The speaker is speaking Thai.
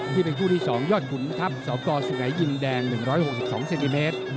นี่เป็นคู่ที่๒ยอดขุนทัพสกสุงัยยินแดง๑๖๒เซนติเมตร